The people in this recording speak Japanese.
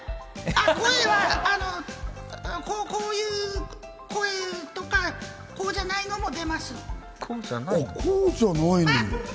声は、こういう声とか、こうじゃないのも出ます。